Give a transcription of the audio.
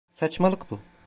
Saçmalık bu.